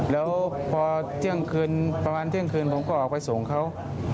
แล้วพอเที่ยงคืนประมาณเที่ยงคืนผมก็ออกไปส่งเขา